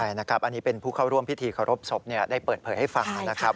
ใช่นะครับอันนี้เป็นผู้เข้าร่วมพิธีเคารพศพได้เปิดเผยให้ฟังนะครับ